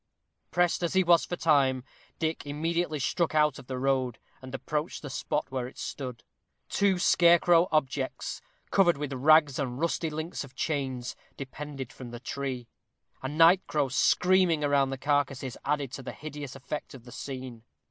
Pressed as he was for time, Dick immediately struck out of the road, and approached the spot where it stood. Two scarecrow objects, covered with rags and rusty links of chains, depended from the tree. A night crow screaming around the carcases added to the hideous effect of the scene.